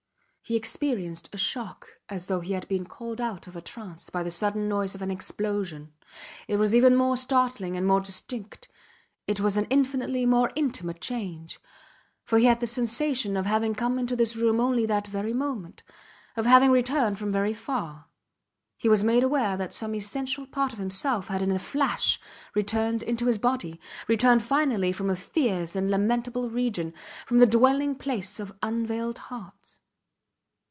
He experienced a shock as though he had been called out of a trance by the sudden noise of an explosion. It was even more startling and more distinct; it was an infinitely more intimate change, for he had the sensation of having come into this room only that very moment; of having returned from very far; he was made aware that some essential part of himself had in a flash returned into his body, returned finally from a fierce and lamentable region, from the dwelling place of unveiled hearts.